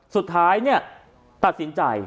สุดท้ายเนี่ยตัดสินใจ